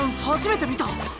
初めて見た！